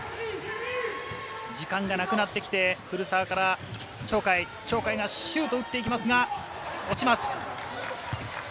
時間がなくなってきて、古澤から鳥海、シュートを打っていきますが落ちます。